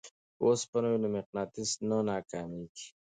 که اوسپنه وي نو مقناطیس نه ناکامیږي.